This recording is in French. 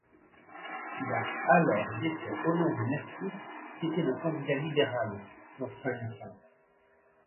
Il a alors défait Honoré Mercier qui était le candidat libéral dans Saint-Hyacinthe.